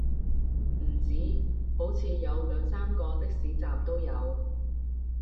唔止，好似有兩三個的士站都有